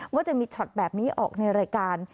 ว่าจะมีช็อตแบบนี้ออกในรายการ